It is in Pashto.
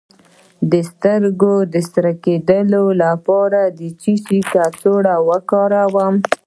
د سترګو د سره کیدو لپاره د څه شي کڅوړه وکاروم؟